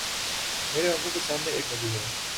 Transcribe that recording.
میرے آنکھوں کو سامنے ایک ندی ہے